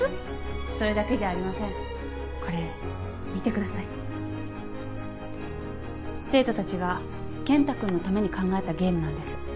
それだけじゃありませんこれ見てください生徒達が健太君のために考えたゲームなんです